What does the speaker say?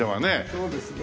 そうですね。